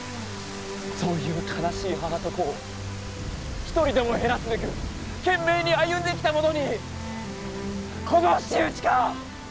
そういう悲しい母と子を一人でも減らすべく懸命に歩んできた者にこの仕打ちか！？